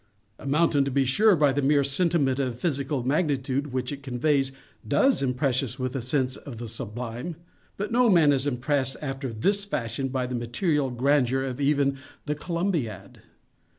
A mountain, to be sure, by the mere sentiment of physical magnitude which it conveys, _does _impress us with a sense of the sublime—but no man is impressed after _this _fashion by the material grandeur of even "The Columbiad."